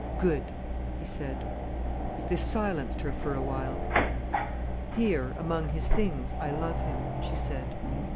"Good!" he said. This silenced her for a while. "Here, among his things, I love him," she said.